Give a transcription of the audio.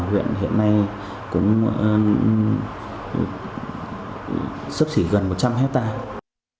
huyện hiện nay cũng sấp chỉ gần một trăm linh hectare